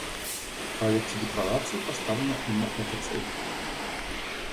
В проекте декларации поставлена именно эта цель.